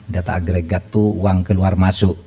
data agregat itu uang keluar masuk